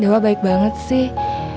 dewa baik banget sih